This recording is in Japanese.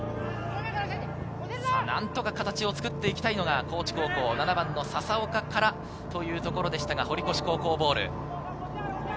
何とか形を作っていきたいのが高知高校、７番・笹岡からというところでしたが、堀越高校ボール。